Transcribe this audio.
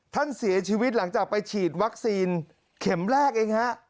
ท่านเสียชีวิตหลังจากไปฉีดวัคซีนเข็มแรกเองฮะ